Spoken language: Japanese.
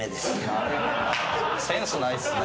センスないっすね。